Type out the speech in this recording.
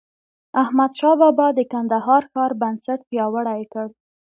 احمدشاه بابا د کندهار ښار بنسټ پیاوړی کړ.